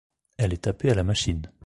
Elle est tapée à la machine.